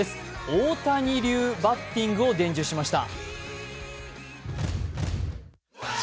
大谷流バッティングを伝授しました。